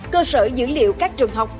cơ sở dữ liệu các trường học